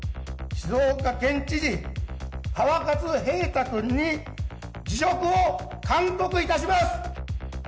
静岡県知事、川勝平太君に辞職を勧告いたします。